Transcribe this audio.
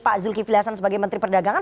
pak zulkifilasan sebagai menteri perdagangan